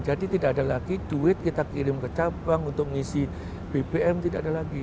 jadi tidak ada lagi duit kita kirim ke cabang untuk mengisi bbm tidak ada lagi